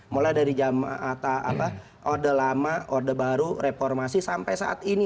mulai dari orde lama orde baru reformasi sampai saat ini